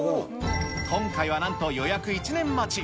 今回はなんと予約１年待ち。